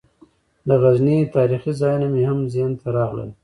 د غزني تاریخي ځایونه مې هم ذهن ته راغلل.